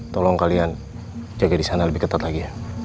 tolong kalian jaga di sana lebih ketat lagi ya